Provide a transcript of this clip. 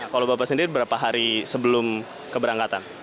kalau bapak sendiri berapa hari sebelum keberangkatan